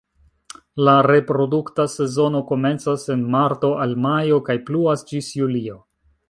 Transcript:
La reprodukta sezono komencas en marto al majo kaj pluas ĝis julio.